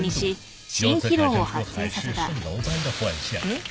えっ？